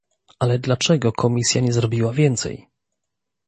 Ale dlaczego Komisja nie zrobiła więcej?